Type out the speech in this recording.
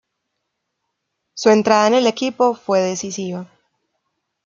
Su entrada en el equipo fue decisiva.